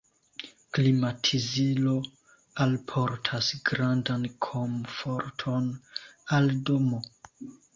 Klimatizilo alportas grandan komforton al domo.